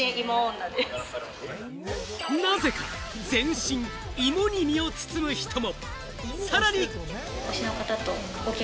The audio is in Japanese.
なぜか全身を芋に身を包む人も。